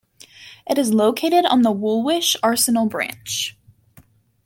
It is located on the Woolwich Arsenal branch.